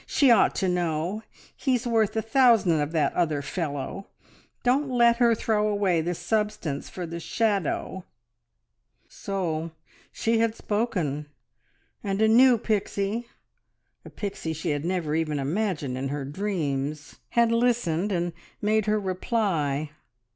She ought to know. He's worth a thousand of that other fellow. Don't let her throw away the substance for the shadow." So she had spoken, and a new Pixie a Pixie she had never even imagined in dreams had listened, and made her reply.